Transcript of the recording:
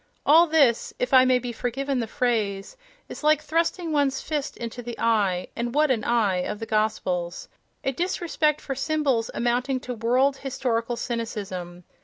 All this—if I may be forgiven the phrase—is like thrusting one's fist into the eye (and what an eye!) of the Gospels: a disrespect for symbols amounting to world historical cynicism....